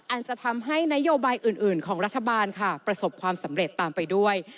อาจจะทำให้นโยบายอื่นของรัฐบาลค่ะประสบความสำเร็จตามไปด้วย